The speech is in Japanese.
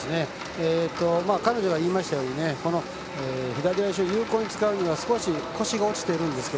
彼女が言いましたように左足を有効に使うには少し腰が落ちているんですが。